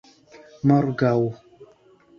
morgaŭ